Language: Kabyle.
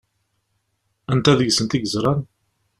Anta deg-sent i yeẓṛan?